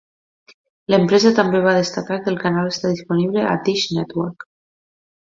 L'empresa també va destacar que el canal està disponible a Dish Network.